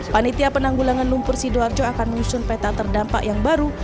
panitia penanggulangan lumpur sidoarjo akan menyusun peta terdampak yang baru